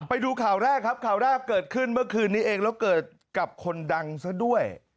ไปดูข่าวแรกครับข่าวแรกเกิดขึ้นเมื่อคืนนี้เองแล้วเกิดกับคนดังซะด้วย